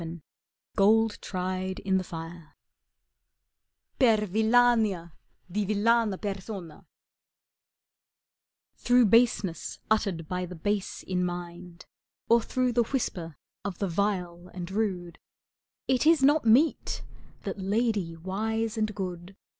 ^^^^ u GOLD TRIED IN THE FIRE Per wllania di villana persona Through baseness uttered by the base in mind, Or through the whisper of the vile and rude, It is not meet that lady wise and good.